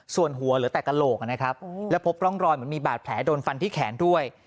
ส่วนหัวเหลือแต่กระโหลกนะครับแล้วพบร่องรอยเหมือนมีบาดแผลโดนฟันที่แขนด้วย